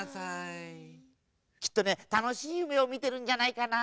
きっとねたのしいゆめをみてるんじゃないかな。